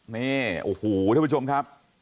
เนี่ยโอ้โหทุกผู้ชมครับ